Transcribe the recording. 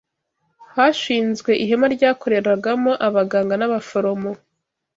Hashinzwe ihema ryakoreragamo abaganga n’abaforomo